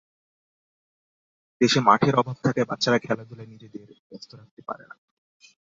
দেশে মাঠের অভাব থাকায় বাচ্চারা খেলাধুলায় নিজেদের ব্যস্ত রাখতে পারে না।